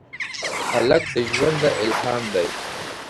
هلک د ژونده الهام دی.